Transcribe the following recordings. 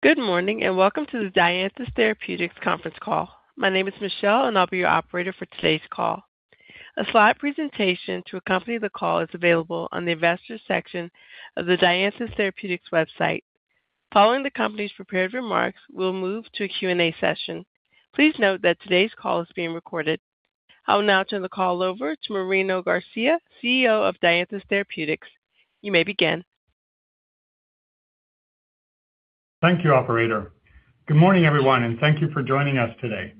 Good morning, welcome to the Dianthus Therapeutics conference call. My name is Michelle, and I'll be your operator for today's call. A slide presentation to accompany the call is available on the Investors section of the Dianthus Therapeutics website. Following the company's prepared remarks, we'll move to a Q&A session. Please note that today's call is being recorded. I will now turn the call over to Marino Garcia, CEO of Dianthus Therapeutics. You may begin. Thank you, operator. Good morning, everyone, and thank you for joining us today.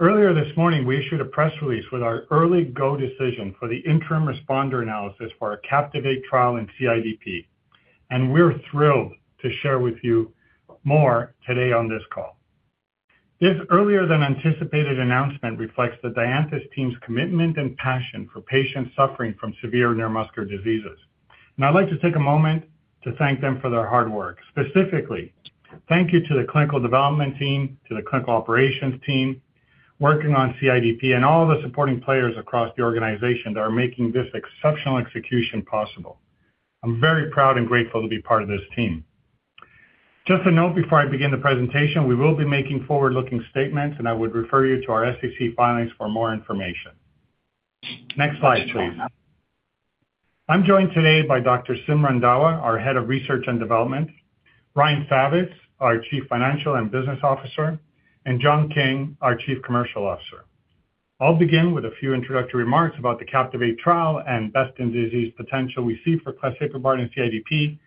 Earlier this morning, we issued a press release with our early go decision for the interim responder analysis for our CAPTIVATE trial in CIDP, and we're thrilled to share with you more today on this call. This earlier than anticipated announcement reflects the Dianthus team's commitment and passion for patients suffering from severe neuromuscular diseases. I'd like to take a moment to thank them for their hard work. Specifically, thank you to the clinical development team, to the clinical operations team working on CIDP, and all the supporting players across the organization that are making this exceptional execution possible. I'm very proud and grateful to be part of this team. Just a note before I begin the presentation, we will be making forward-looking statements, and I would refer you to our SEC filings for more information. Next slide, please. I'm joined today by Dr. Simrat Randhawa, our Head of Research and Development, Ryan Savitz, our Chief Financial and Business Officer, and John King, our Chief Commercial Officer. I'll begin with a few introductory remarks about the CAPTIVATE trial and best-in-disease potential we see for claseprubart in CIDP,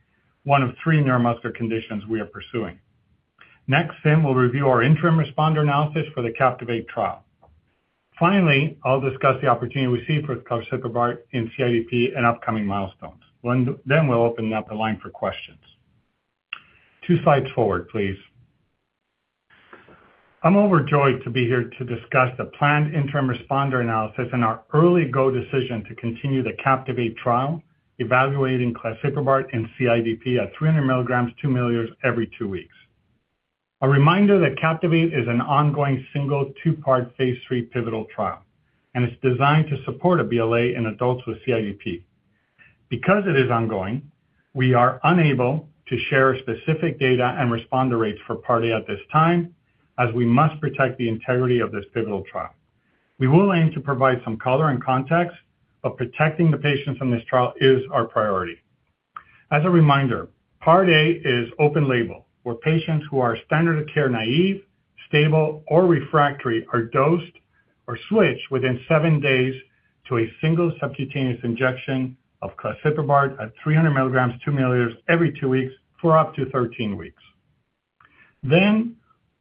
one of 3 neuromuscular conditions we are pursuing. Simrat will review our interim responder analysis for the CAPTIVATE trial. I'll discuss the opportunity we see for claseprubart in CIDP and upcoming milestones. We'll open up the line for questions. 2 slides forward, please. I'm overjoyed to be here to discuss the planned interim responder analysis and our early go decision to continue the CAPTIVATE trial evaluating claseprubart in CIDP at 300 milligrams, 2 milliliters every 2 weeks. A reminder that CAPTIVATE is an ongoing single 2-part phase 3 pivotal trial, and it's designed to support a BLA in adults with CIDP. Because it is ongoing, we are unable to share specific data and responder rates for Part A at this time, as we must protect the integrity of this pivotal trial. We will aim to provide some color and context, but protecting the patients in this trial is our priority. As a reminder, Part A is open label, where patients who are standard of care naive, stable, or refractory are dosed or switched within 7 days to a single subcutaneous injection of claseprubart at 300 mg, 2 mL every 2 weeks for up to 13 weeks.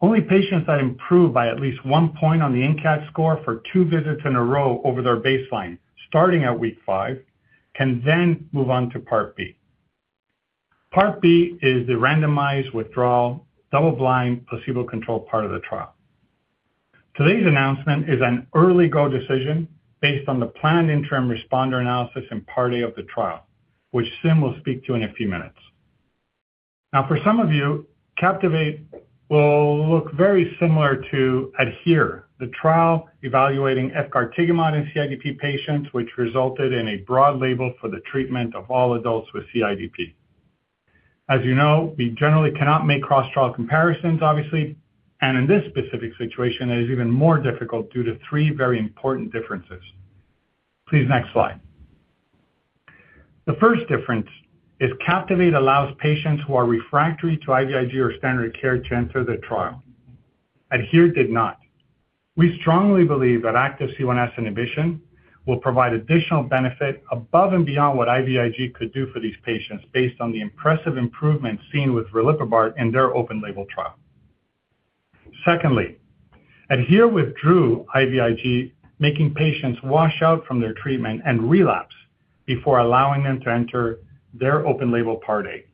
Only patients that improve by at least 1 point on the NCAT score for 2 visits in a row over their baseline, starting at week 5, can then move on to Part B. Part B is the randomized withdrawal double-blind placebo-controlled part of the trial. Today's announcement is an early go decision based on the planned interim responder analysis and Part A of the trial, which Simrat will speak to in a few minutes. For some of you, CAPTIVATE will look very similar to ADHERE, the trial evaluating efgartigimod in CIDP patients, which resulted in a broad label for the treatment of all adults with CIDP. You know, we generally cannot make cross-trial comparisons, obviously, and in this specific situation, it is even more difficult due to 3 very important differences. Please next slide. The first difference is CAPTIVATE allows patients who are refractory to IVIG or standard care to enter the trial. ADHERE did not. We strongly believe that active C1s inhibition will provide additional benefit above and beyond what IVIG could do for these patients based on the impressive improvements seen with riliprubart in their open label trial. Secondly, ADHERE withdrew IVIG, making patients wash out from their treatment and relapse before allowing them to enter their open label Part A.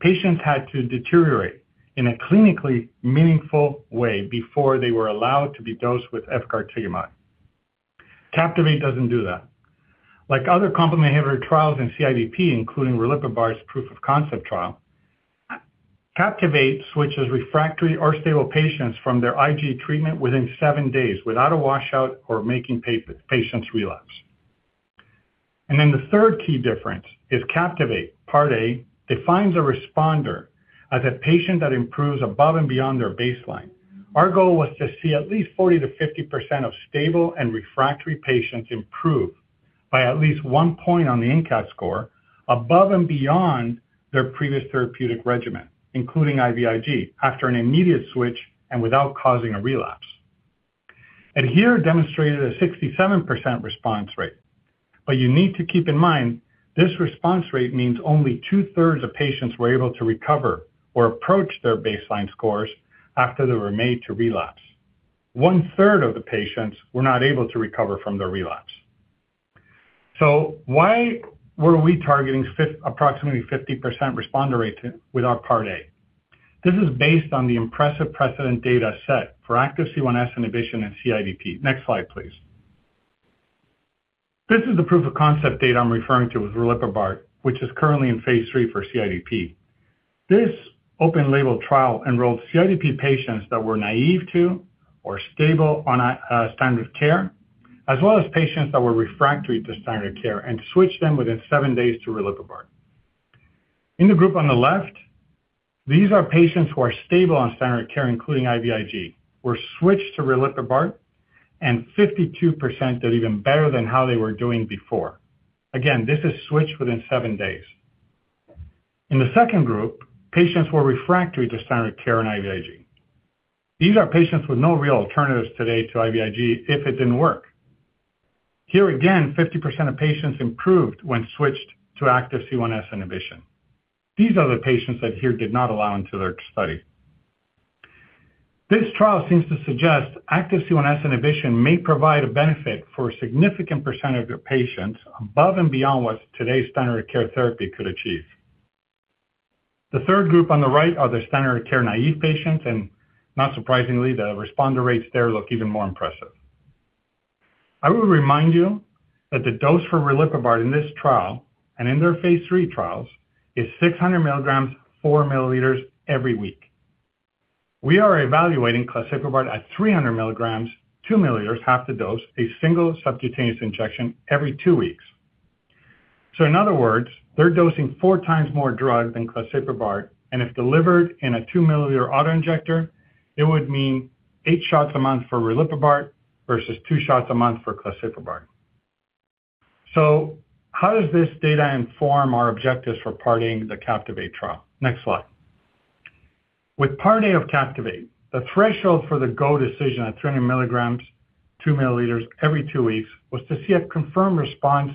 Patients had to deteriorate in a clinically meaningful way before they were allowed to be dosed with efgartigimod. CAPTIVATE doesn't do that. Like other complement inhibitor trials in CIDP, including riliprubart's proof of concept trial, CAPTIVATE switches refractory or stable patients from their IG treatment within seven days without a washout or making patients relapse. The third key difference is CAPTIVATE Part A defines a responder as a patient that improves above and beyond their baseline. Our goal was to see at least 40%-50% of stable and refractory patients improve by at least 1 point on the NCAT score above and beyond their previous therapeutic regimen, including IVIG, after an immediate switch and without causing a relapse. ADHERE demonstrated a 67% response rate, you need to keep in mind this response rate means only 2/3 of patients were able to recover or approach their baseline scores after they were made to relapse. 1/3 of the patients were not able to recover from their relapse. Why were we targeting approximately 50% responder rates with our Part A? This is based on the impressive precedent data set for active C1s inhibition in CIDP. Next slide, please. This is the proof of concept data I'm referring to with riliprubart, which is currently in Phase 3 for CIDP. This open label trial enrolled CIDP patients that were naive to or stable on a standard of care. As well as patients that were refractory to standard care and switched them within 7 days to riliprubart. In the group on the left, these are patients who are stable on standard care, including IVIG, were switched to riliprubart and 52% did even better than how they were doing before. Again, this is switched within 7 days. In the second group, patients were refractory to standard care and IVIG. These are patients with no real alternatives today to IVIG if it didn't work. Here again, 50% of patients improved when switched to active C1s inhibition. These are the patients that here did not allow into their study. This trial seems to suggest active C1s inhibition may provide a benefit for a significant % of your patients above and beyond what today's standard of care therapy could achieve. The third group on the right are the standard of care naive patients. Not surprisingly, the responder rates there look even more impressive. I will remind you that the dose for riliprubart in this trial and in their phase 3 trials is 600 milligrams, 4 milliliters every week. We are evaluating claseprubart at 300 milligrams, 2 milliliters, half the dose, a single subcutaneous injection every 2 weeks. In other words, they're dosing 4 times more drug than claseprubart, and if delivered in a 2-milliliter auto-injector, it would mean 8 shots a month for riliprubart versus 2 shots a month for claseprubart. How does this data inform our objectives for Part A of the CAPTIVATE trial? Next slide. With Part A of CAPTIVATE, the threshold for the go decision at 300 milligrams, 2 milliliters every 2 weeks was to see a confirmed response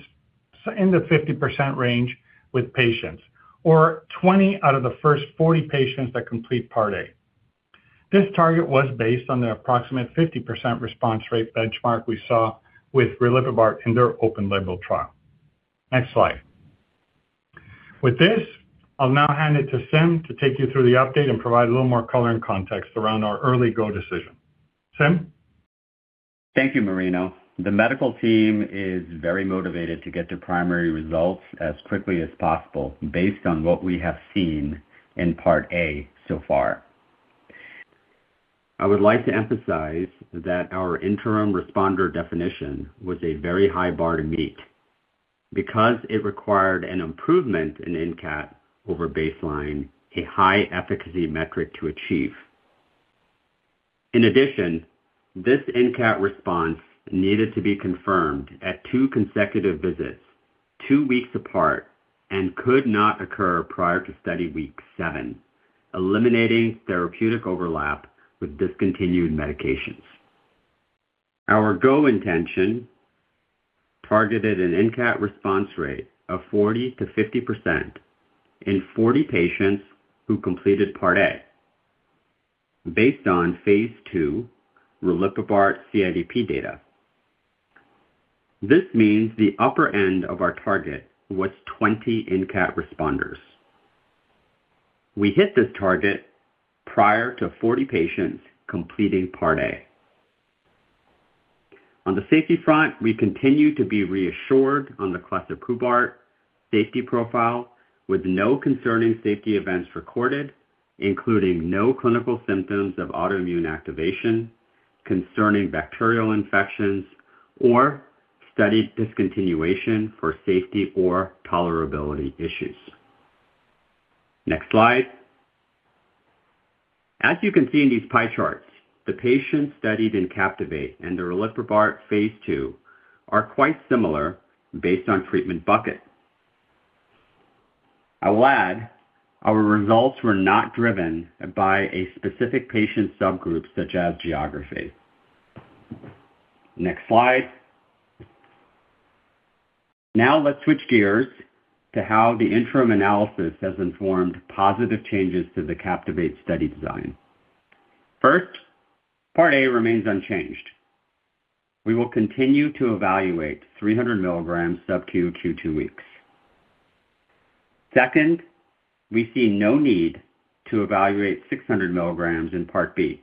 in the 50% range with patients or 20 out of the first 40 patients that complete Part A. This target was based on the approximate 50% response rate benchmark we saw with riliprubart in their open-label trial. Next slide. With this, I'll now hand it to Simrat to take you through the update and provide a little more color and context around our early go decision. Simrat? Thank you, Marino. The medical team is very motivated to get their primary results as quickly as possible based on what we have seen in Part A so far. I would like to emphasize that our interim responder definition was a very high bar to meet because it required an improvement in NCAT over baseline, a high efficacy metric to achieve. In addition, this NCAT response needed to be confirmed at 2 consecutive visits, 2 weeks apart, and could not occur prior to study week 7, eliminating therapeutic overlap with discontinued medications. Our go intention targeted an NCAT response rate of 40%-50% in 40 patients who completed Part A based on phase 2 riliprubart CIDP data. This means the upper end of our target was 20 NCAT responders. We hit this target prior to 40 patients completing Part A. On the safety front, we continue to be reassured on the claseprubart safety profile with no concerning safety events recorded, including no clinical symptoms of autoimmune activation, concerning bacterial infections, or study discontinuation for safety or tolerability issues. Next slide. As you can see in these pie charts, the patients studied in CAPTIVATE and the riliprubart phase 2 are quite similar based on treatment bucket. I'll add our results were not driven by a specific patient subgroup such as geography. Next slide. Let's switch gears to how the interim analysis has informed positive changes to the CAPTIVATE study design. Part A remains unchanged. We will continue to evaluate 300 milligrams subQ q 2 weeks. Second, we see no need to evaluate 600 milligrams in part B,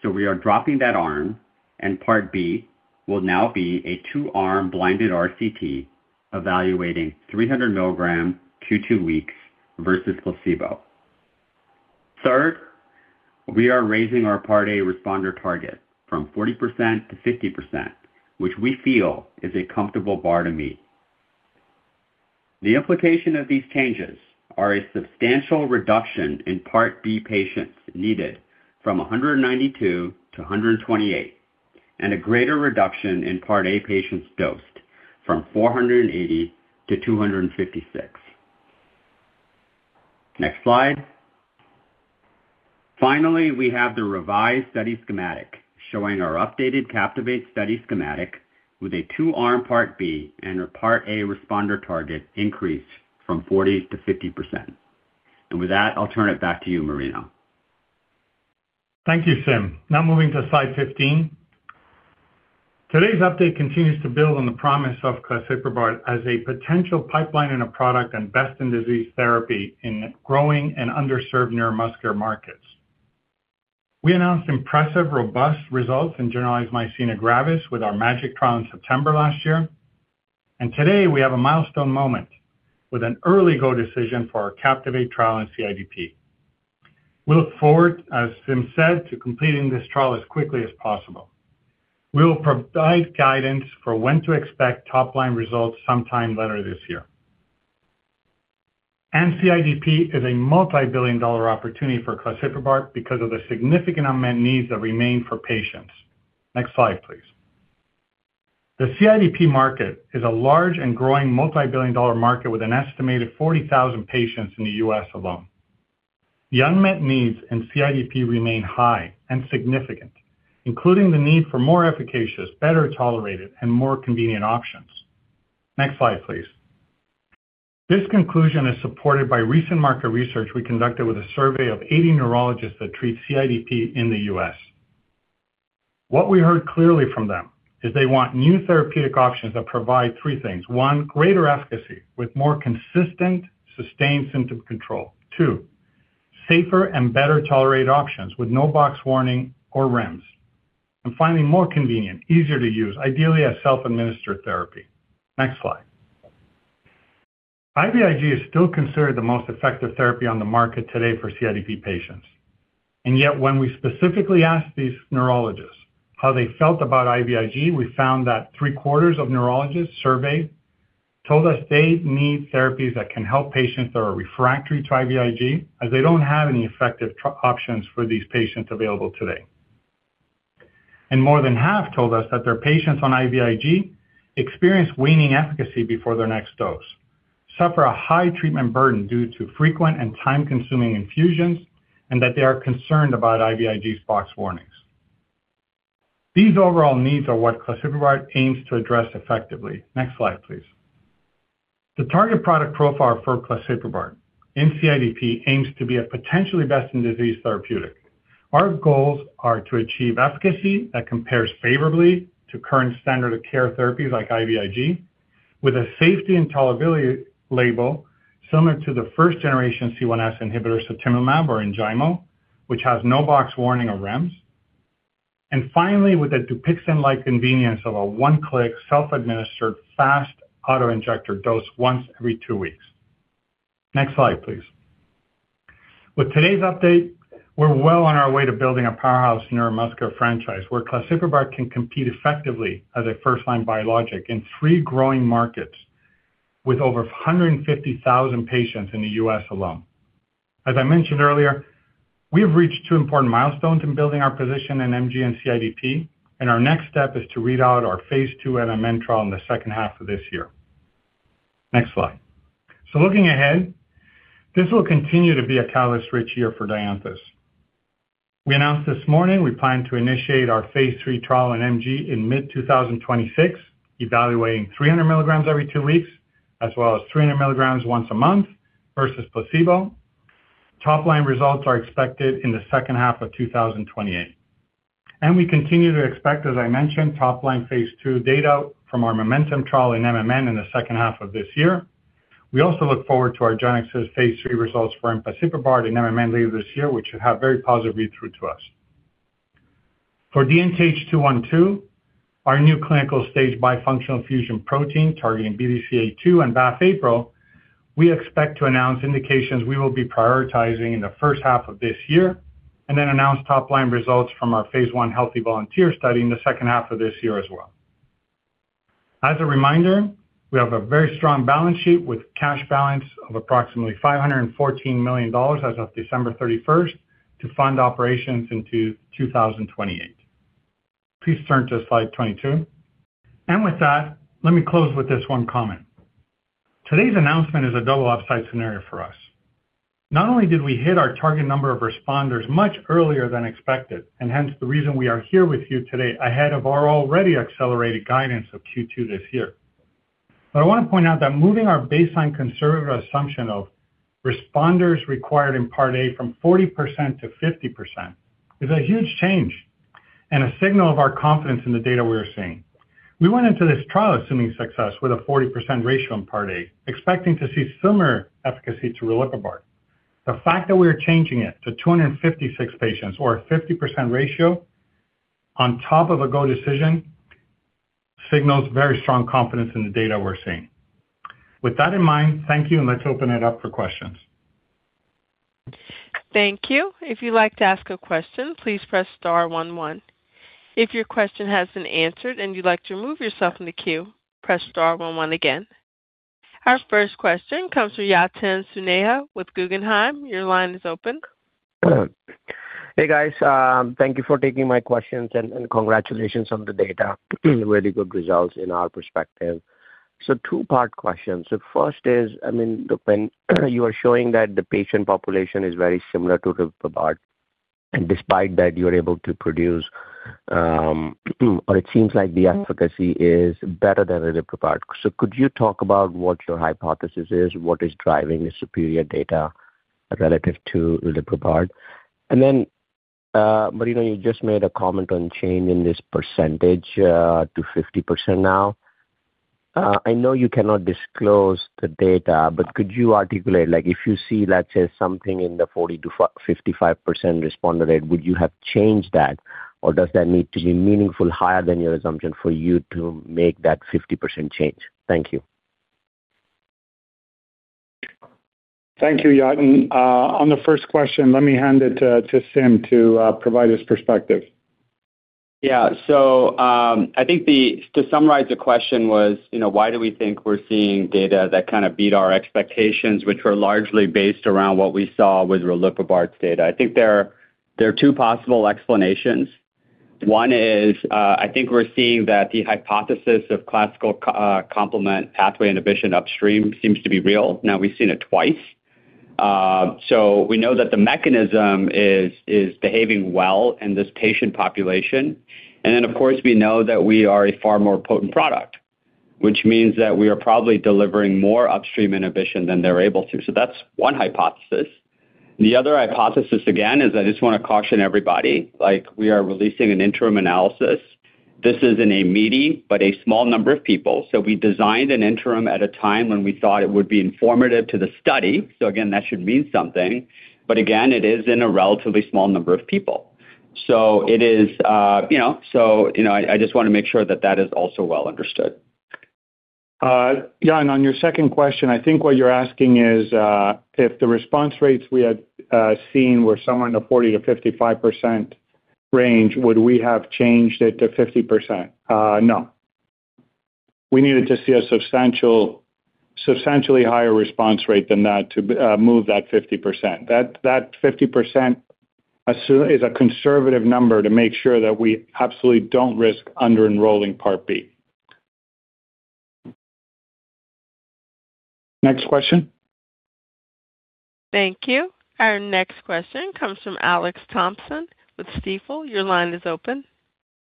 so we are dropping that arm and part B will now be a 2-arm blinded RCT evaluating 300 milligram q 2 weeks versus placebo. Third, we are raising our part A responder target from 40% to 50%, which we feel is a comfortable bar to meet. The implication of these changes are a substantial reduction in part B patients needed from 192 to 128, and a greater reduction in part A patients dosed from 480 to 256. Next slide. Finally, we have the revised study schematic showing our updated CAPTIVATE study schematic with a 2-arm part B and a part A responder target increase from 40% to 50%. With that, I'll turn it back to you, Marino. Thank you, Simrat. Now moving to slide 15. Today's update continues to build on the promise of claseprubart as a potential pipeline and a product and best in disease therapy in growing and underserved neuromuscular markets. We announced impressive, robust results in generalized myasthenia gravis with our MaGic trial in September last year. Today, we have a milestone moment with an early go decision for our CAPTIVATE trial in CIDP. We look forward, as Simrat said, to completing this trial as quickly as possible. We will provide guidance for when to expect top-line results sometime later this year. CIDP is a $ multi-billion opportunity for claseprubart because of the significant unmet needs that remain for patients. Next slide, please. The CIDP market is a large and growing $ multi-billion market with an estimated 40,000 patients in the U.S. alone. The unmet needs in CIDP remain high and significant, including the need for more efficacious, better tolerated, and more convenient options. Next slide, please. This conclusion is supported by recent market research we conducted with a survey of 80 neurologists that treat CIDP in the U.S. What we heard clearly from them is they want new therapeutic options that provide 3 things. 1, greater efficacy with more consistent, sustained symptom control. 2, safer and better tolerated options with no box warning or REMS. Finally, more convenient, easier to use, ideally a self-administered therapy. Next slide. IVIG is still considered the most effective therapy on the market today for CIDP patients. Yet, when we specifically asked these neurologists how they felt about IVIG, we found that 3 quarters of neurologists surveyed told us they need therapies that can help patients that are refractory to IVIG, as they don't have any effective options for these patients available today. More than half told us that their patients on IVIG experience waning efficacy before their next dose, suffer a high treatment burden due to frequent and time-consuming infusions, and that they are concerned about IVIG's boxed warnings. These overall needs are what claseprubart aims to address effectively. Next slide, please. The target product profile for claseprubart in CIDP aims to be a potentially best-in-disease therapeutic. Our goals are to achieve efficacy that compares favorably to current standard of care therapies like IVIG, with a safety and tolerability label similar to the first generation C1s inhibitor, sutimlimab, or Enjaymo, which has no boxed warning of REMS. Finally, with a Dupixent-like convenience of a one-click, self-administered, fast auto-injector dose once every two weeks. Next slide, please. With today's update, we're well on our way to building a powerhouse neuromuscular franchise where claseprubart can compete effectively as a first-line biologic in 3 growing markets with over 150,000 patients in the U.S. alone. As I mentioned earlier, we have reached 2 important milestones in building our position in MG and CIDP, our next step is to read out our phase 2 MMN trial in the second half of this year. Next slide. Looking ahead, this will continue to be a catalyst-rich year for Dianthus. We announced this morning we plan to initiate our phase 3 trial in MG in mid-2026, evaluating 300 milligrams every two weeks, as well as 300 milligrams once a month versus placebo. Top-line results are expected in the second half of 2028. We continue to expect, as I mentioned, top-line phase 2 data from our MoMeNtum trial in MMN in the second half of this year. We also look forward to our GENESIS phase 3 results for Zilucoplan in MMN later this year, which should have very positive read-through to us. For DNTH212, our new clinical stage bifunctional fusion protein targeting BDCA2 and BAFF/APRIL, we expect to announce indications we will be prioritizing in the first half of this year, and then announce top-line results from our phase 1 healthy volunteer study in the second half of this year as well. As a reminder, we have a very strong balance sheet with cash balance of approximately $514 million as of December 31st to fund operations into 2028. Please turn to slide 22. With that, let me close with this one comment. Today's announcement is a double upside scenario for us. Not only did we hit our target number of responders much earlier than expected, and hence the reason we are here with you today ahead of our already accelerated guidance of Q2 this year. I want to point out that moving our baseline conservative assumption of responders required in part A from 40% to 50% is a huge change and a signal of our confidence in the data we are seeing. We went into this trial assuming success with a 40% ratio in part A, expecting to see similar efficacy to riliprubart. The fact that we are changing it to 256 patients or a 50% ratio on top of a go decision signals very strong confidence in the data we're seeing. With that in mind, thank you, and let's open it up for questions. Thank you. If you'd like to ask a question, please press star one one. If your question has been answered and you'd like to remove yourself from the queue, press star one one again. Our first question comes from Yatin Suneja with Guggenheim. Your line is open. Hey, guys. Thank you for taking my questions, and congratulations on the data. Really good results in our perspective. Two-part question. First is, I mean, when you are showing that the patient population is very similar to riliprubart, and despite that you're able to produce, or it seems like the efficacy is better than riliprubart. Could you talk about what your hypothesis is? What is driving the superior data relative to riliprubart? You know, you just made a comment on change in this percentage to 50% now. I know you cannot disclose the data, could you articulate, like, if you see, let's say, something in the 40-55% responder rate, would you have changed that? Does that need to be meaningful higher than your assumption for you to make that 50% change? Thank you. Thank you, Yatin. On the first question, let me hand it to Simrat to provide his perspective. To summarize the question was, you know, why do we think we're seeing data that kind of beat our expectations, which were largely based around what we saw with riliprubart's data? I think there are two possible explanations. One is, I think we're seeing that the hypothesis of classical complement pathway inhibition upstream seems to be real. Now we've seen it twice. we know that the mechanism is behaving well in this patient population. Of course, we know that we are a far more potent product, which means that we are probably delivering more upstream inhibition than they're able to. That's one hypothesis. The other hypothesis, again, is I just wanna caution everybody, like we are releasing an interim analysis. This is in a meaty but a small number of people. We designed an interim at a time when we thought it would be informative to the study. Again, that should mean something. Again, it is in a relatively small number of people. It is, So, you know, I just wanna make sure that that is also well understood. Yeah, on your second question, I think what you're asking is, if the response rates we had seen were somewhere in the 40%-55% range, would we have changed it to 50%? No. We needed to see a substantially higher response rate than that to move that 50%. That 50% assume is a conservative number to make sure that we absolutely don't risk under enrolling Part B. Next question. Thank you. Our next question comes from Alex Thompson with Stifel. Your line is open.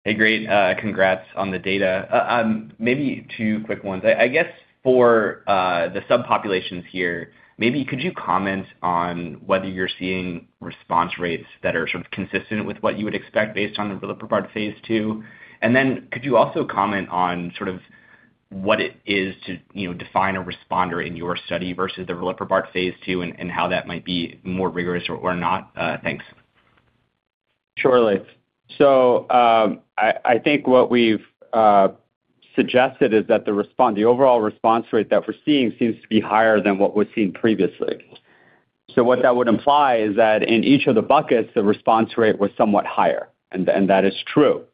Hey, great. Congrats on the data. I guess for the subpopulations here, maybe could you comment on whether you're seeing response rates that are sort of consistent with what you would expect based on the riliprubart Phase 2? Then could you also comment on sort of what it is to, you know, define a responder in your study versus the riliprubart Phase 2 and how that might be more rigorous or not? Thanks. Surely. I think what we've suggested is that the overall response rate that we're seeing seems to be higher than what was seen previously. What that would imply is that in each of the buckets, the response rate was somewhat higher, and that is true.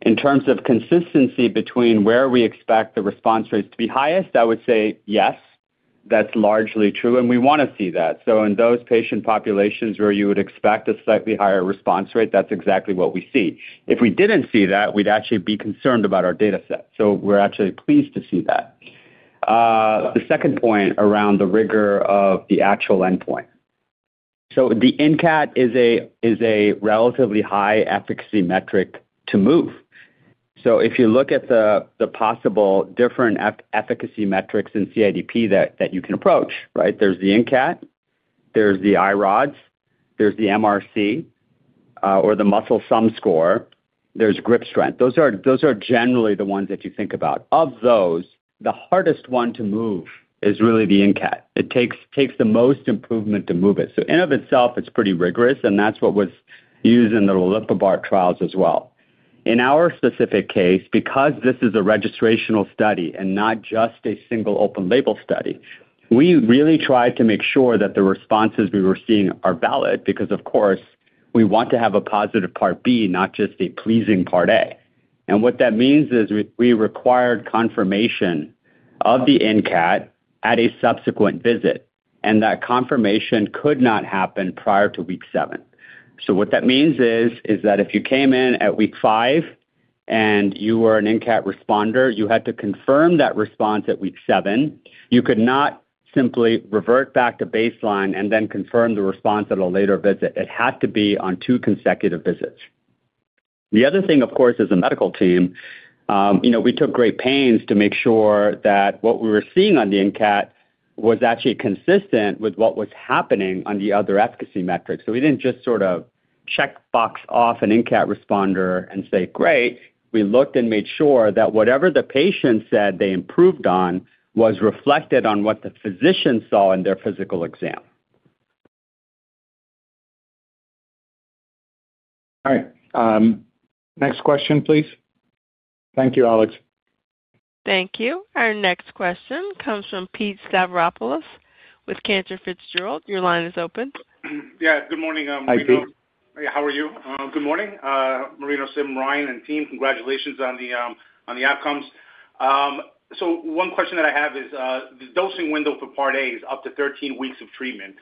In terms of consistency between where we expect the response rates to be highest, I would say yes, that's largely true, and we wanna see that. In those patient populations where you would expect a slightly higher response rate, that's exactly what we see. If we didn't see that, we'd actually be concerned about our dataset. We're actually pleased to see that. The second point around the rigor of the actual endpoint. The NCAT is a relatively high efficacy metric to move. If you look at the possible different efficacy metrics in CIDP you can approach, right? There's the NCAT, there's the I-RODS, there's the MRC, or the MRC Sum Score, there's grip strength. Those are generally the ones that you think about. Of those, the hardest one to move is really the NCAT. It takes the most improvement to move it. In of itself, it's pretty rigorous, and that's what was used in the riliprubart trials as well. In our specific case, because this is a registrational study and not just a single open label study, we really tried to make sure that the responses we were seeing are valid because of course, we want to have a positive Part B, not just a pleasing Part A. What that means is we required confirmation of the NCAT at a subsequent visit, and that confirmation could not happen prior to week 7. What that means is that if you came in at week 5 and you were an NCAT responder, you had to confirm that response at week 7. You could not simply revert back to baseline and then confirm the response at a later visit. It had to be on 2 consecutive visits. The other thing, of course, as a medical team, you know, we took great pains to make sure that what we were seeing on the NCAT was actually consistent with what was happening on the other efficacy metrics. We didn't just sort of checkbox off an NCAT responder and say, "Great." We looked and made sure that whatever the patient said they improved on was reflected on what the physician saw in their physical exam. All right. Next question please. Thank you, Alex. Thank you. Our next question comes from Pete Stavropoulos with Cantor Fitzgerald. Your line is open. Yeah. Good morning, Hi, Pete. How are you? Good morning, Marino, Simrat, Ryan and team. Congratulations on the outcomes. One question that I have is the dosing window for Part A is up to 13 weeks of treatment.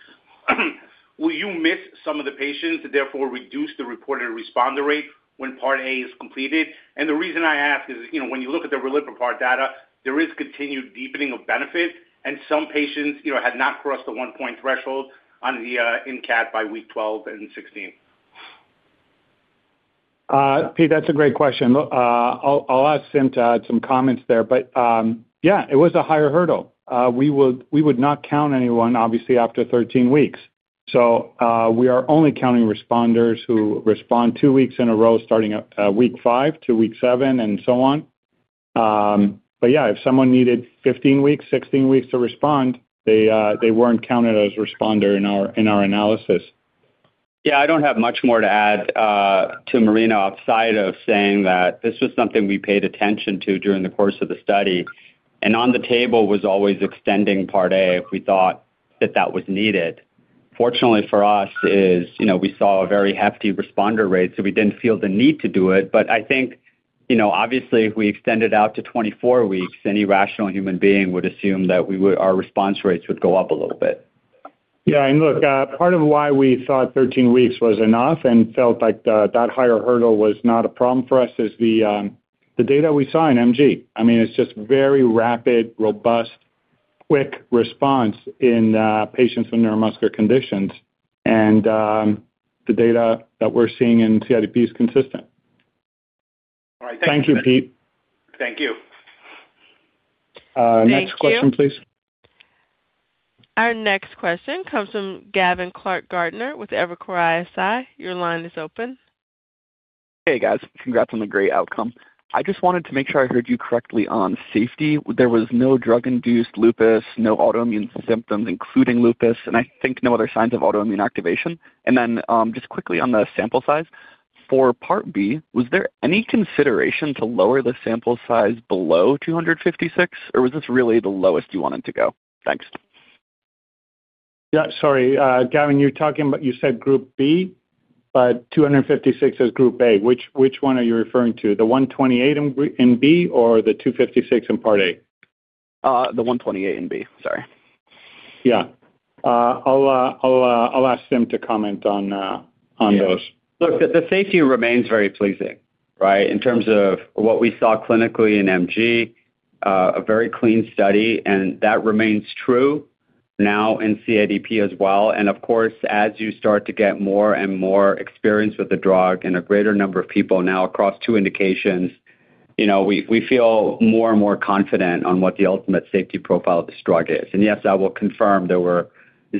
Will you miss some of the patients and therefore reduce the reported responder rate when Part A is completed? The reason I ask is, you know, when you look at the riliprubart data, there is continued deepening of benefit and some patients, you know, had not crossed the one-point threshold on the NCAT by week 12 and 16. Pete, that's a great question. Look, I'll ask Simrat to add some comments there. Yeah, it was a higher hurdle. We would not count anyone obviously after 13 weeks. We are only counting responders who respond 2 weeks in a row starting at week 5 to week 7 and so on. Yeah, if someone needed 15 weeks, 16 weeks to respond, they weren't counted as responder in our analysis. Yeah, I don't have much more to add to Marino outside of saying that this was something we paid attention to during the course of the study. On the table was always extending Part A if we thought that that was needed. Fortunately for us is, you know, we saw a very hefty responder rate, we didn't feel the need to do it. I think, you know, obviously if we extended out to 24 weeks, any rational human being would assume that our response rates would go up a little bit. Yeah. Look, part of why we thought 13 weeks was enough and felt like that higher hurdle was not a problem for us is the data we saw in MG. I mean, it's just very rapid, robust, quick response in patients with neuromuscular conditions. The data that we're seeing in CIDP is consistent. All right. Thank you. Thank you, Pete. Thank you. Uh- Thank you. next question, please. Our next question comes from Gavin Clark-Gartner with Evercore ISI. Your line is open. Hey, guys. Congrats on the great outcome. I just wanted to make sure I heard you correctly on safety. There was no drug-induced lupus, no autoimmune symptoms, including lupus, and I think no other signs of autoimmune activation. Just quickly on the sample size. For Part B, was there any consideration to lower the sample size below 256, or was this really the lowest you wanted to go? Thanks. Yeah. Sorry, Gavin, you're talking about you said Group B, but 256 is Group A. Which one are you referring to? The 128 in B or the 256 in Part A? The 128 in B. Sorry. Yeah. I'll ask Tim to comment on on those. The safety remains very pleasing, right? In terms of what we saw clinically in MG, a very clean study, and that remains true now in CIDP as well. Of course, as you start to get more and more experience with the drug and a greater number of people now across two indications, you know, we feel more and more confident on what the ultimate safety profile of this drug is. Yes, I will confirm there were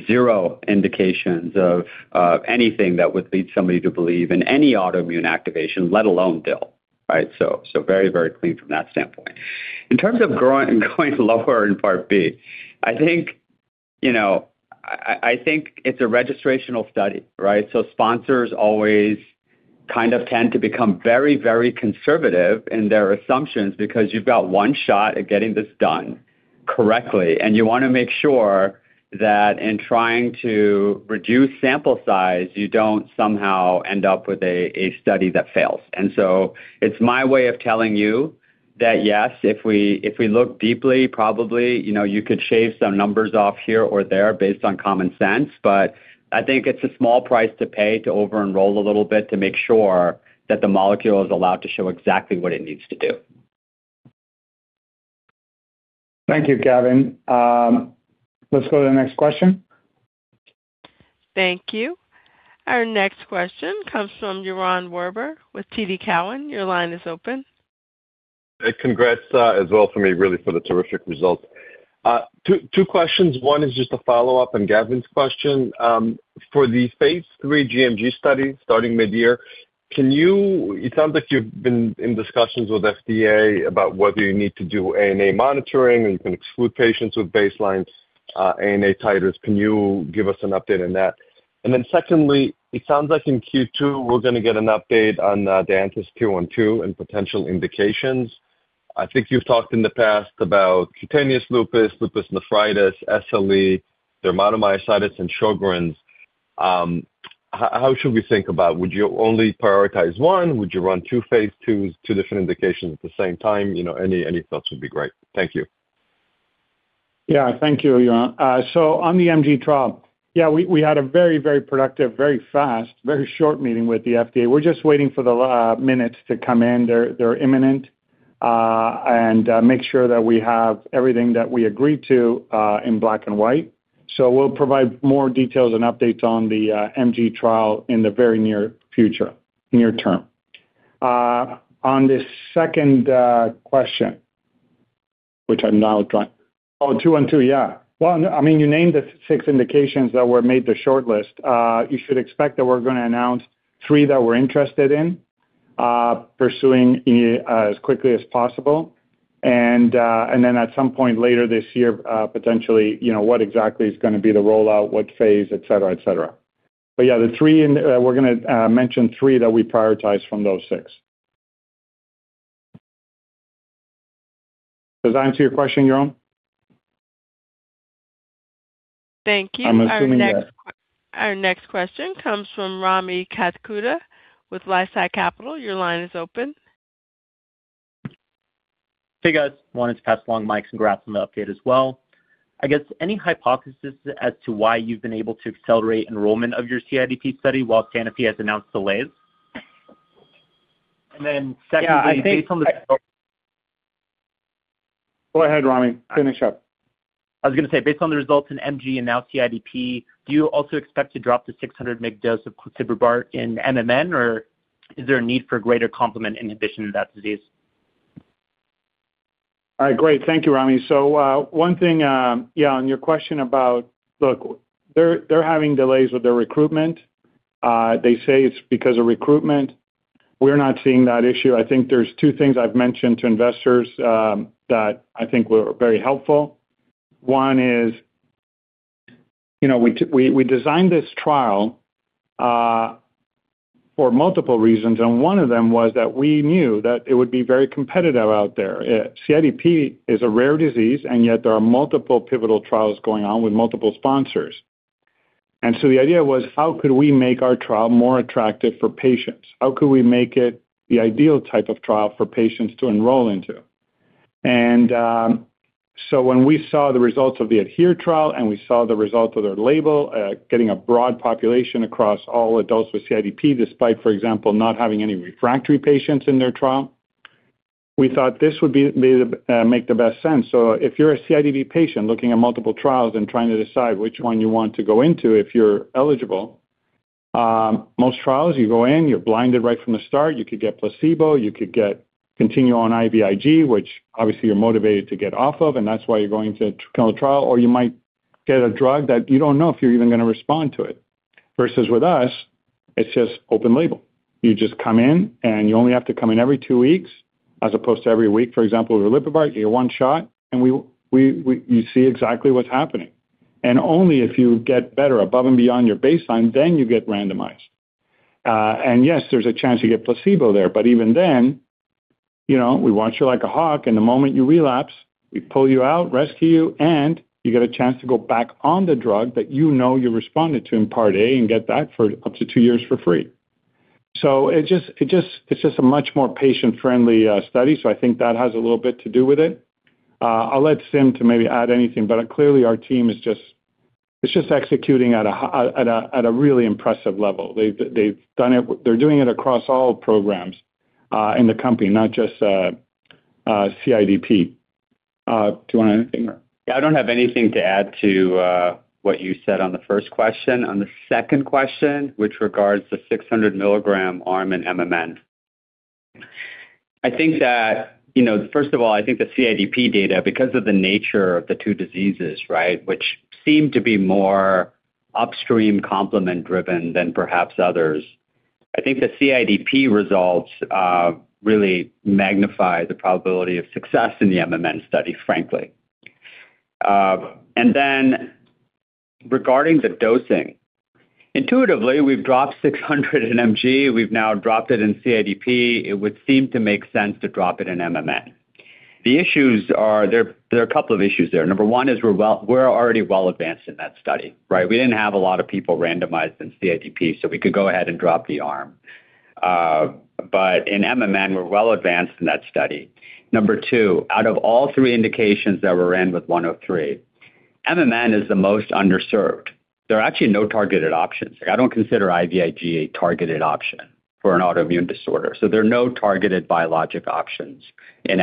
0 indications of anything that would lead somebody to believe in any autoimmune activation, let alone DIL, right? Very, very clean from that standpoint. In terms of going lower in Part B, I think, you know, I think it's a registrational study, right? Sponsors always kind of tend to become very, very conservative in their assumptions because you've got one shot at getting this done correctly, and you wanna make sure that in trying to reduce sample size, you don't somehow end up with a study that fails. It's my way of telling you that, yes, if we, if we look deeply, probably, you know, you could shave some numbers off here or there based on common sense, but I think it's a small price to pay to over-enroll a little bit to make sure that the molecule is allowed to show exactly what it needs to do. Thank you, Gavin. Let's go to the next question. Thank you. Our next question comes from Yaron Werber with TD Cowen. Your line is open. Hey, congrats, as well from me really for the terrific results. 2 questions. One is just a follow-up on Gavin's question. For the phase 3 gMG study starting mid-year, can you... It sounds like you've been in discussions with FDA about whether you need to do ANA monitoring, and you can exclude patients with baseline ANA titers. Can you give us an update on that? Secondly, it sounds like in Q2, we're gonna get an update on DNTH212 and potential indications. I think you've talked in the past about cutaneous lupus nephritis, SLE, dermatomyositis and Sjögren's. How should we think about? Would you only prioritize one? Would you run 2 phase 2s, 2 different indications at the same time? You know, any thoughts would be great. Thank you. Yeah. Thank you, Yaron. On the MG trial, yeah, we had a very, very productive, very fast, very short meeting with the FDA. We're just waiting for the minutes to come in, they're imminent, and make sure that we have everything that we agreed to in black and white. We'll provide more details and updates on the MG trial in the very near future, near term. On the second question. Oh, 2 and 2, yeah. Well, no, I mean, you named the 6 indications that were made the short list. You should expect that we're gonna announce 3 that we're interested in pursuing as quickly as possible. Then at some point later this year, potentially, you know, what exactly is gonna be the rollout, what phase, et cetera, et cetera. Yeah, we're gonna mention three that we prioritize from those six. Does that answer your question, Yaron? Thank you. I'm assuming, yes. Our next question comes from Rami Katkhuda with LifeSci Capital. Your line is open. Hey, guys. Wanted to pass along Mike's congrats on the update as well. I guess any hypothesis as to why you've been able to accelerate enrollment of your CIDP study while Canopy has announced delays? Go ahead, Rami. Finish up. I was gonna say, based on the results in MG and now CIDP, do you also expect to drop the 600 mg dose of claseprubart in MMN, or is there a need for greater complement inhibition in that disease? All right, great. Thank you, Rami. One thing, on your question about... Look, they're having delays with their recruitment. They say it's because of recruitment. We're not seeing that issue. I think there's two things I've mentioned to investors that I think were very helpful. One is, you know, we designed this trial for multiple reasons, and one of them was that we knew that it would be very competitive out there. CIDP is a rare disease, and yet there are multiple pivotal trials going on with multiple sponsors. The idea was: How could we make our trial more attractive for patients? How could we make it the ideal type of trial for patients to enroll into? When we saw the results of the ADHERE trial and we saw the results of their label, getting a broad population across all adults with CIDP, despite, for example, not having any refractory patients in their trial, we thought this would make the best sense. If you're a CIDP patient looking at multiple trials and trying to decide which one you want to go into if you're eligible, most trials you go in, you're blinded right from the start. You could get placebo. You could continue on IVIG, which obviously you're motivated to get off of, and that's why you're going to clinical trial. You might get a drug that you don't know if you're even gonna respond to it. Versus with us, it's just open label. You just come in, and you only have to come in every 2 weeks as opposed to every week, for example, with Riliprubart. You get 1 shot, and we you see exactly what's happening. Only if you get better above and beyond your baseline, then you get randomized. Yes, there's a chance you get placebo there, but even then, you know, we watch you like a hawk, and the moment you relapse, we pull you out, rescue you, and you get a chance to go back on the drug that you know you responded to in Part A and get that for up to 2 years for free. It's just a much more patient-friendly study, so I think that has a little bit to do with it. I'll let Simrat to maybe add anything. Clearly our team is just executing at a really impressive level. They're doing it across all programs in the company, not just CIDP. Do you wanna add anything or? Yeah, I don't have anything to add to what you said on the first question. On the second question, which regards the 600 milligram arm in MMN. I think that, you know, first of all, I think the CIDP data, because of the nature of the two diseases, right, which seem to be more upstream complement driven than perhaps others. I think the CIDP results really magnify the probability of success in the MMN study, frankly. Regarding the dosing, intuitively, we've dropped 600 in MG. We've now dropped it in CIDP. It would seem to make sense to drop it in MMN. The issues are there are a couple of issues there. Number one is we're already well advanced in that study, right? We didn't have a lot of people randomized in CIDP, so we could go ahead and drop the arm. In MMN, we're well advanced in that study. Number 2, out of all 3 indications that were in with DNTH103, MMN is the most underserved. There are actually no targeted options. Like, I don't consider IVIG a targeted option for an autoimmune disorder, so there are no targeted biologic options in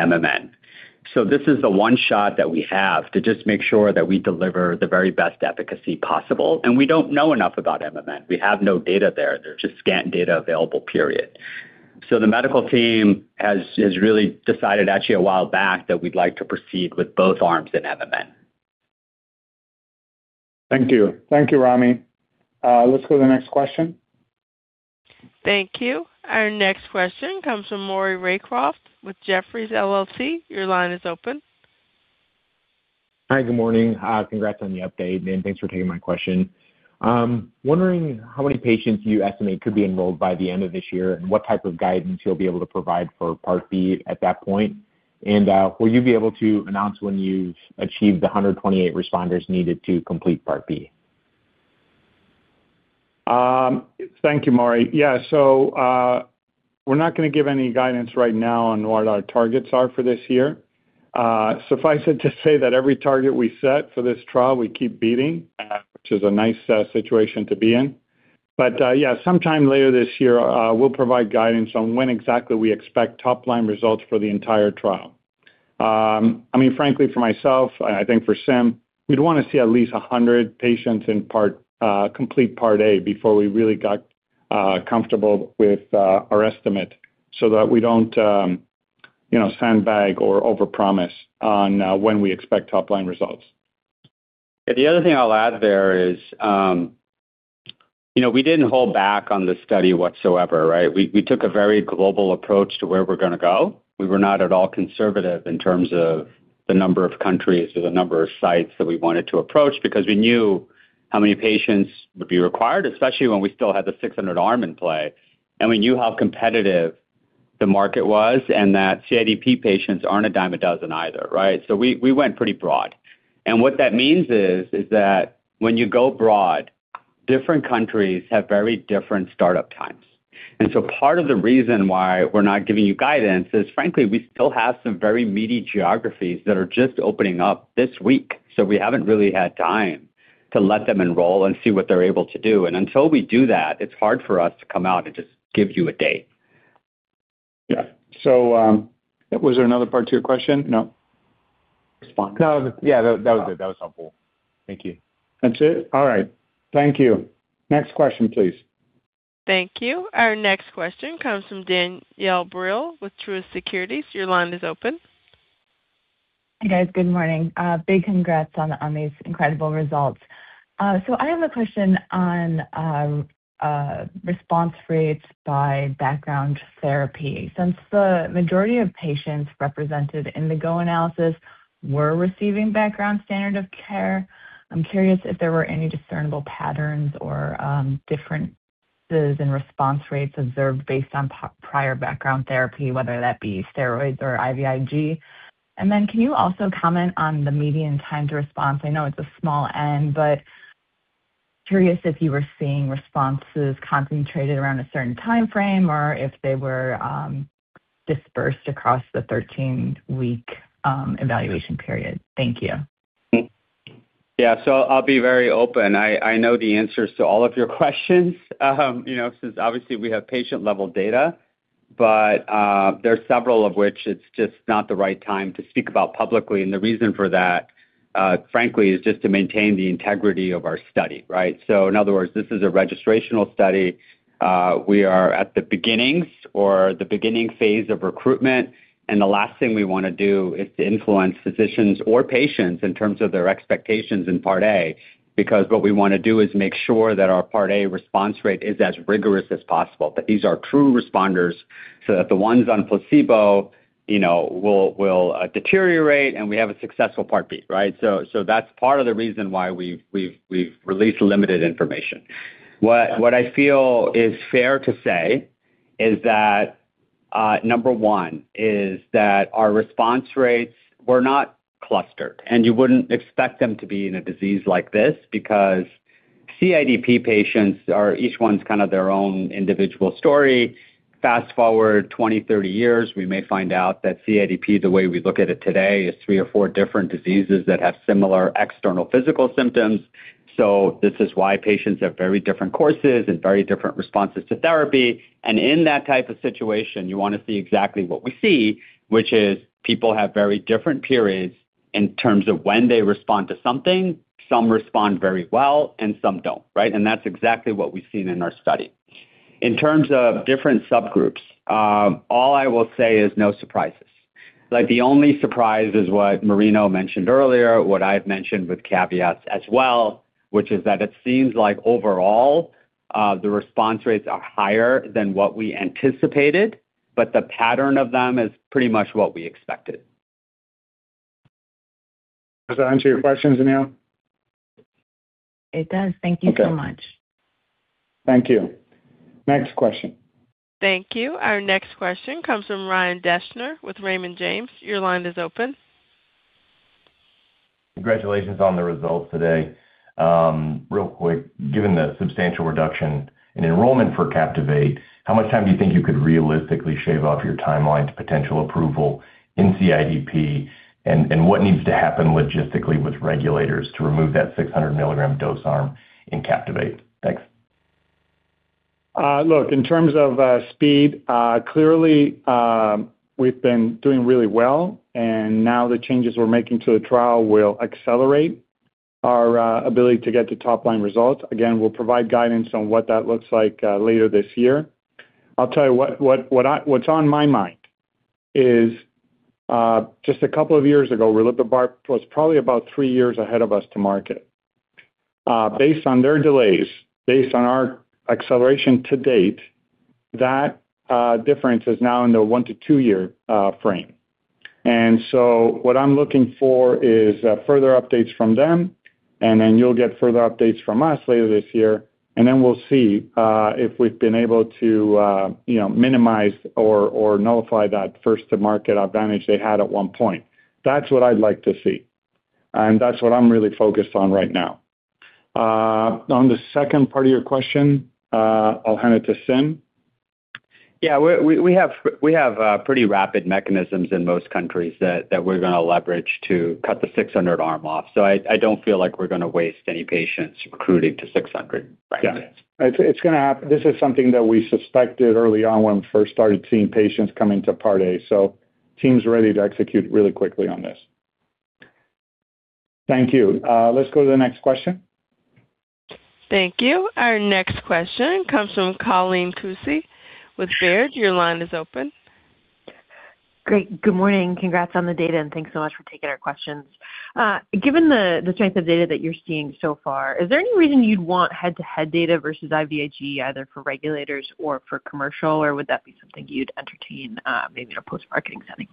MMN. This is the one shot that we have to just make sure that we deliver the very best efficacy possible, and we don't know enough about MMN. We have no data there. There's just scant data available, period. The medical team has really decided actually a while back that we'd like to proceed with both arms in MMN. Thank you. Thank you, Rami. Let's go to the next question. Thank you. Our next question comes from Maury Raycroft with Jefferies LLC. Your line is open. Hi, good morning. congrats on the update, and thanks for taking my question. wondering how many patients you estimate could be enrolled by the end of this year and what type of guidance you'll be able to provide for Part B at that point? will you be able to announce when you've achieved the 128 responders needed to complete Part B? Thank you, Maury. We're not gonna give any guidance right now on what our targets are for this year. Suffice it to say that every target we set for this trial, we keep beating, which is a nice situation to be in. Sometime later this year, we'll provide guidance on when exactly we expect top-line results for the entire trial. I mean, frankly, for myself, and I think for Simrat, we'd wanna see at least 100 patients in part complete Part A before we really got comfortable with our estimate so that we don't, you know, sandbag or overpromise on when we expect top-line results. The other thing I'll add there is, you know, we didn't hold back on this study whatsoever, right? We took a very global approach to where we're gonna go. We were not at all conservative in terms of the number of countries or the number of sites that we wanted to approach because we knew how many patients would be required, especially when we still had the 600 arm in play, and we knew how competitive the market was and that CIDP patients aren't a dime a dozen either, right? We went pretty broad. What that means is that when you go broad, different countries have very different startup times. Part of the reason why we're not giving you guidance is, frankly, we still have some very meaty geographies that are just opening up this week. We haven't really had time to let them enroll and see what they're able to do. Until we do that, it's hard for us to come out and just give you a date. Was there another part to your question? No. Respond. No. Yeah, that was it. That was helpful. Thank you. That's it? All right. Thank you. Next question, please. Thank you. Our next question comes from Danielle Brill with Truist Securities. Your line is open. Hey, guys. Good morning. big congrats on these incredible results. I have a question on response rates by background therapy. Since the majority of patients represented in the go analysis were receiving background standard of care, I'm curious if there were any discernible patterns or differences in response rates observed based on prior background therapy, whether that be steroids or IVIG. Can you also comment on the median time to response? I know it's a small end, but curious if you were seeing responses concentrated around a certain timeframe or if they were dispersed across the 13-week evaluation period. Thank you. Yeah. I'll be very open. I know the answers to all of your questions, you know, since obviously we have patient-level data. There are several of which it's just not the right time to speak about publicly. The reason for that, frankly, is just to maintain the integrity of our study, right. In other words, this is a registrational study. We are at the beginnings or the beginning phase of recruitment. The last thing we wanna do is to influence physicians or patients in terms of their expectations in Part A, because what we wanna do is make sure that our Part A response rate is as rigorous as possible, that these are true responders, so that the ones on placebo, you know, will deteriorate, and we have a successful Part B, right. That's part of the reason why we've released limited information. What I feel is fair to say is that number 1 is that our response rates were not clustered, and you wouldn't expect them to be in a disease like this because CIDP patients are each one's kind of their own individual story. Fast-forward 20, 30 years, we may find out that CIDP, the way we look at it today, is 3 or 4 different diseases that have similar external physical symptoms. This is why patients have very different courses and very different responses to therapy. In that type of situation, you wanna see exactly what we see, which is people have very different periods in terms of when they respond to something. Some respond very well and some don't, right? That's exactly what we've seen in our study. In terms of different subgroups, all I will say is no surprises. The only surprise is what Marino mentioned earlier, what I've mentioned with caveats as well, which is that it seems like overall, the response rates are higher than what we anticipated, but the pattern of them is pretty much what we expected. Does that answer your question, Danielle? It does. Thank you so much. Thank you. Next question. Thank you. Our next question comes from Ryan Deschner with Raymond James. Your line is open. Congratulations on the results today. real quick, given the substantial reduction in enrollment for CAPTIVATE, how much time do you think you could realistically shave off your timeline to potential approval in CIDP? What needs to happen logistically with regulators to remove that 600 milligram dose arm in CAPTIVATE? Thanks. Look, in terms of speed, clearly, we've been doing really well, and now the changes we're making to the trial will accelerate our ability to get to top-line results. We'll provide guidance on what that looks like later this year. I'll tell you what's on my mind is, just a couple of years ago, riliprubart was probably about 3 years ahead of us to market. Based on their delays, based on our acceleration to date, that difference is now in the 1-2 year frame. What I'm looking for is further updates from them, then you'll get further updates from us later this year, then we'll see if we've been able to, you know, minimize or nullify that first-to-market advantage they had at one point. That's what I'd like to see, and that's what I'm really focused on right now. On the second part of your question, I'll hand it to Simrat. Yeah, we have pretty rapid mechanisms in most countries that we're gonna leverage to cut the 600 arm off. I don't feel like we're gonna waste any patients recruiting to 600 right now. Yeah. It's gonna happen. This is something that we suspected early on when we first started seeing patients coming to Part A. Team's ready to execute really quickly on this. Thank you. Let's go to the next question. Thank you. Our next question comes from Colleen Kusy with Baird. Your line is open. Great, good morning. Thanks so much for taking our questions. Given the strength of data that you're seeing so far, is there any reason you'd want head-to-head data versus IVIG, either for regulators or for commercial, or would that be something you'd entertain, maybe in a post-marketing setting?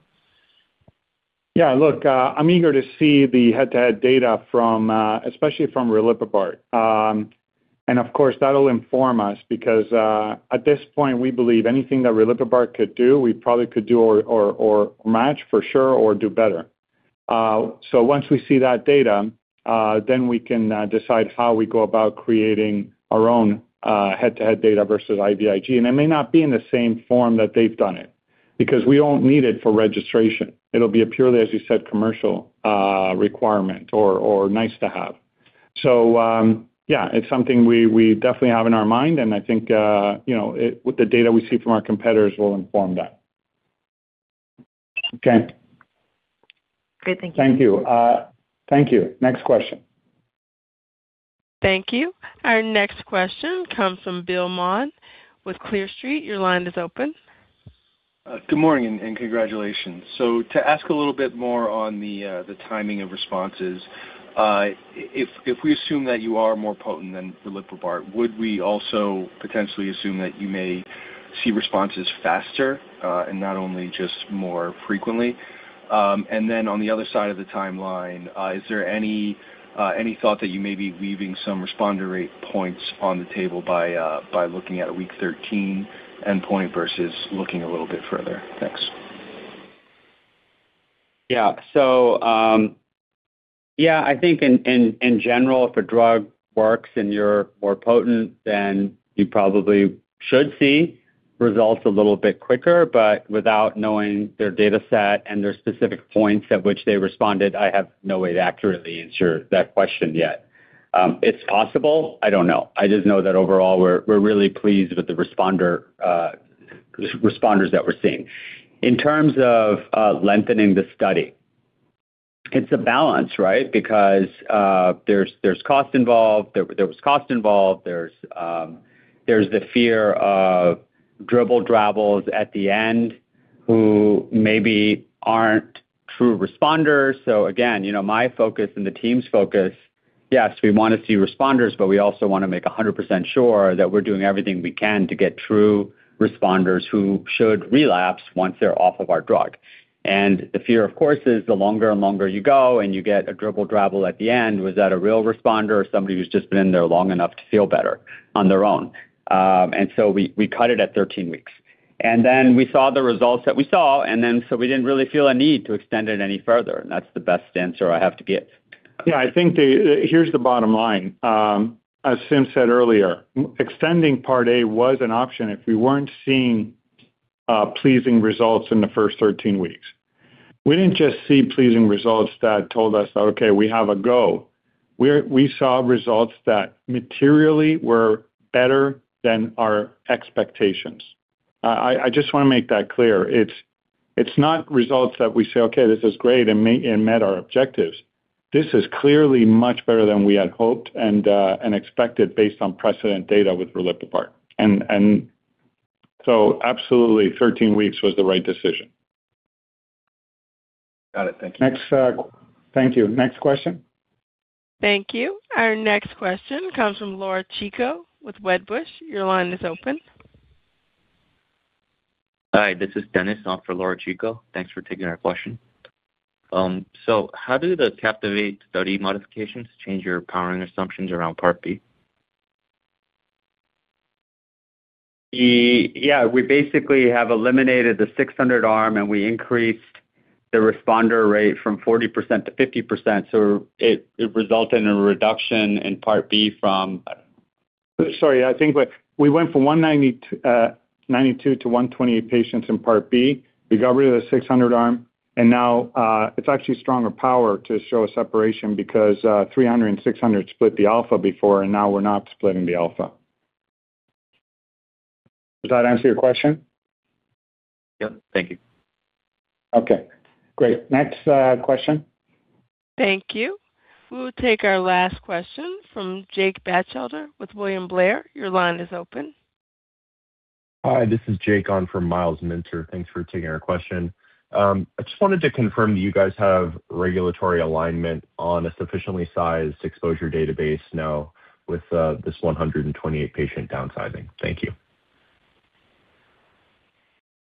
Look, I'm eager to see the head-to-head data from especially from riliprubart. Of course, that'll inform us because at this point, we believe anything that riliprubart could do, we probably could do or match for sure or do better. Once we see that data, then we can decide how we go about creating our own head-to-head data versus IVIG. It may not be in the same form that they've done it because we don't need it for registration. It'll be a purely, as you said, commercial requirement or nice to have. Yeah, it's something we definitely have in our mind, and I think, you know, with the data we see from our competitors will inform that. Great. Thank you. Thank you. Next question. Thank you. Our next question comes from Bill Maughan with Clear Street. Your line is open. Good morning and congratulations. To ask a little bit more on the timing of responses. If we assume that you are more potent than riliprubart, would we also potentially assume that you may see responses faster and not only just more frequently? On the other side of the timeline, is there any thought that you may be leaving some responder rate points on the table by looking at a week 13 endpoint versus looking a little bit further? Thanks. I think in general, if a drug works and you're more potent, then you probably should see results a little bit quicker. Without knowing their dataset and their specific points at which they responded, I have no way to accurately answer that question yet. It's possible. I don't know. I just know that overall, we're really pleased with the responders that we're seeing. In terms of lengthening the study, it's a balance, right? Because there's cost involved. There was cost involved. There's the fear of dribble drabbles at the end who maybe aren't true responders. Again, you know, my focus and the team's focus, yes, we wanna see responders, but we also wanna make 100% sure that we're doing everything we can to get true responders who should relapse once they're off of our drug. The fear, of course, is the longer and longer you go and you get a dribble drabble at the end, was that a real responder or somebody who's just been in there long enough to feel better on their own? We cut it at 13 weeks. We saw the results that we saw and then so we didn't really feel a need to extend it any further. That's the best answer I have to give. Yeah, I think the... Here's the bottom line. as Simrat said earlier, extending Part A was an option if we weren't seeing pleasing results in the first 13 weeks. We didn't just see pleasing results that told us that, "Okay, we have a go." We saw results that materially were better than our expectations. I just wanna make that clear. It's, it's not results that we say, "Okay, this is great and met our objectives." This is clearly much better than we had hoped and expected based on precedent data with riliprubart. absolutely 13 weeks was the right decision. Got it. Thank you. Next, Thank you. Next question. Thank you. Our next question comes from Laura Chico with Wedbush. Your line is open. Hi, this is Dennis on for Laura Chico. Thanks for taking our question. How do the CAPTIVATE study modifications change your powering assumptions around Part B? Yeah, we basically have eliminated the 600 arm, and we increased the responder rate from 40% to 50%, so it resulted in a reduction in Part B. Sorry, I think we went from 192, 92 to 128 patients in Part B. We got rid of the 600 arm and now it's actually stronger power to show a separation because 300 and 600 split the alpha before, and now we're not splitting the alpha. Does that answer your question? Yep. Thank you. Okay, great. Next question. Thank you. We'll take our last question from Jake Batchelder with William Blair. Your line is open. Hi, this is Jake on for Myles Minter. Thanks for taking our question. I just wanted to confirm that you guys have regulatory alignment on a sufficiently sized exposure database now with this 128 patient downsizing. Thank you.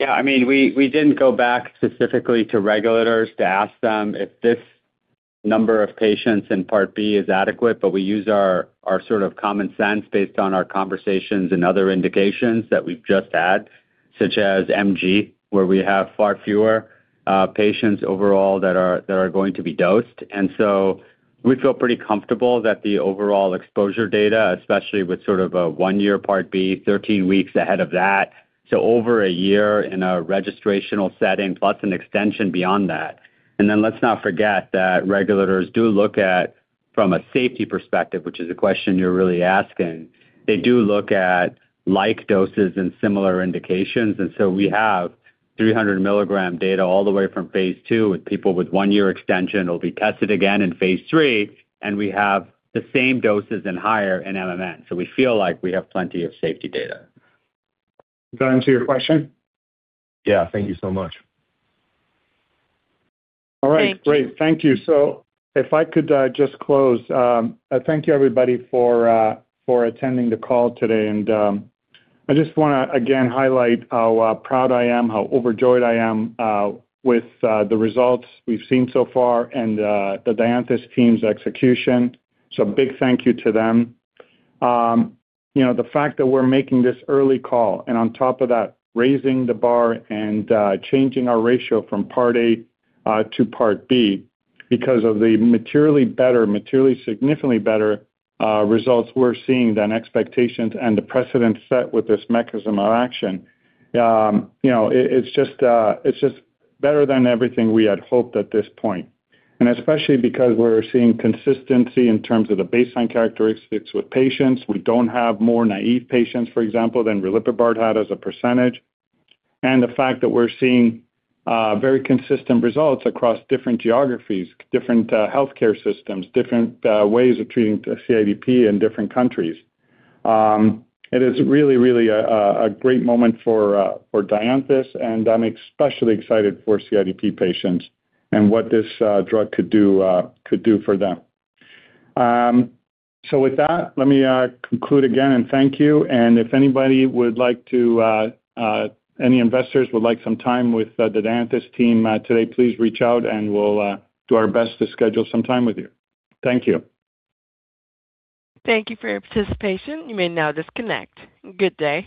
Yeah, I mean, we didn't go back specifically to regulators to ask them if this number of patients in Part B is adequate, but we use our sort of common sense based on our conversations and other indications that we've just had, such as MG, where we have far fewer patients overall that are going to be dosed. We feel pretty comfortable that the overall exposure data, especially with sort of a 1-year Part B, 13 weeks ahead of that, to over a year in a registrational setting plus an extension beyond that. Let's not forget that regulators do look at, from a safety perspective, which is a question you're really asking, they do look at like doses and similar indications. We have 300 milligram data all the way from phase 2 with people with 1-year extension. It'll be tested again in phase 3, and we have the same doses and higher in MMN. We feel like we have plenty of safety data. Does that answer your question? Yeah. Thank you so much. Thank you. All right. Great. Thank you. If I could just close. Thank you, everybody, for attending the call today. I just wanna again highlight how proud I am, how overjoyed I am with the results we've seen so far and the Dianthus team's execution. Big thank you to them. You know, the fact that we're making this early call, and on top of that, raising the bar and changing our ratio from Part A to Part B because of the materially better, materially significantly better results we're seeing than expectations and the precedent set with this mechanism of action. You know, it's just better than everything we had hoped at this point. Especially because we're seeing consistency in terms of the baseline characteristics with patients. We don't have more naive patients, for example, than riliprubart had as a percentage. The fact that we're seeing very consistent results across different geographies, different healthcare systems, different ways of treating CIDP in different countries. It is really a great moment for Dianthus, and I'm especially excited for CIDP patients and what this drug could do for them. So with that, let me conclude again and thank you. If anybody would like to any investors would like some time with the Dianthus team today, please reach out, and we'll do our best to schedule some time with you. Thank you. Thank you for your participation. You may now disconnect. Good day.